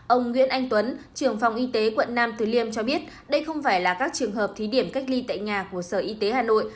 ông nguyễn anh tuấn trường phòng y tế quận nam từ liêm cho biết đây không phải là các trường hợp thí điểm cách ly tại nhà của sở y tế hà nội